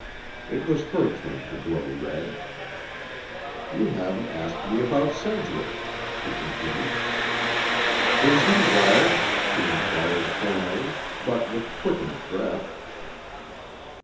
It was her turn to grow red. "You haven't asked me about Sedgwick," he continued. "Is he well?" she inquired formally, but with quickened breath.